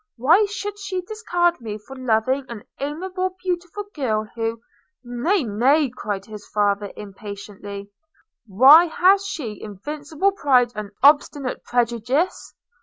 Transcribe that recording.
Why should she discard me for loving an amiable, beautiful girl, who –?' 'Nay, nay!' cried his father impatiently – 'Why has she invincible pride, and obstinate prejudice?